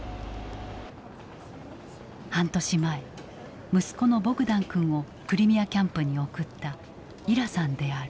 半年前息子のボグダン君をクリミアキャンプに送ったイラさんである。